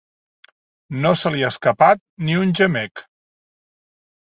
No se li ha escapat ni un gemec.